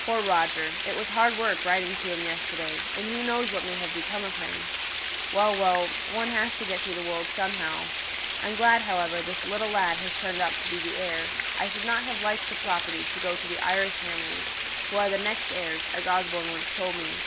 Poor Roger! It was hard work writing to him yesterday; and who knows what may have become of him! Well, well! one has to get through the world somehow. I'm glad, however, this little lad has turned up to be the heir. I shouldn't have liked the property to go to the Irish Hamleys, who are the next heirs, as Osborne once told me.